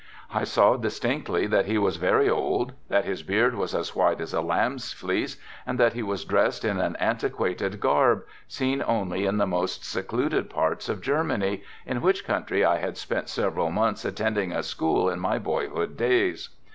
I saw distinctly that he was very old, that his beard was as white as a lamb's fleece and that he was dressed in an antiquated garb, seen only in the most secluded parts of Germany, in which country I had spent several months attending a school in my boyhood days.